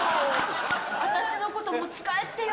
私のこと持ち帰ってよ。